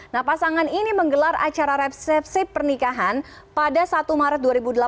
nah pasangan ini menggelar acara resepsi pernikahan pada satu maret dua ribu delapan belas